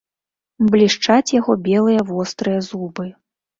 Блішчаць яго белыя вострыя зубы.